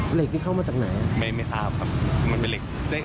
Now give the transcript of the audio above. เหล็กนี่เข้ามาจากไหนไม่ไม่ทราบครับมันเป็นเหล็กเล็ก